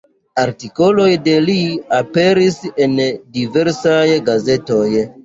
Artikoloj de li aperis en diversaj gazetoj.